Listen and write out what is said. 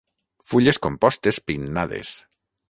Fulles compostes pinnades.